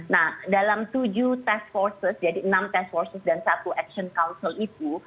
nah dalam tujuh task forces jadi enam task forces dan satu action council itu